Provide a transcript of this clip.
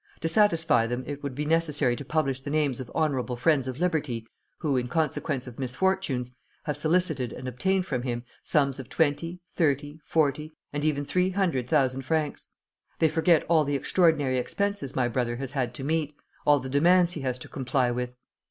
To satisfy them it would be necessary to publish the names of honorable friends of liberty who, in consequence of misfortunes, have solicited and obtained from him sums of twenty, thirty, forty, and even three hundred thousand francs. They forget all the extraordinary expenses my brother has had to meet, all the demands he has to comply with.